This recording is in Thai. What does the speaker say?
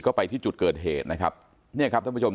ก็ไปที่จุดเกิดเหตุนะครับเนี่ยครับท่านผู้ชม